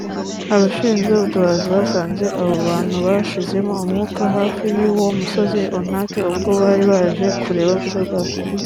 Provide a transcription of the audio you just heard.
Abashinzwe ubutabazi basanze abo bantu bashizemo umwuka hafi y’uwo Musozi Ontake ubwo bari baje kureba ubwiza bwawo